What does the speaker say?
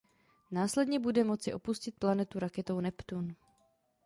Následně bude moci opustit planetu raketou Neptune.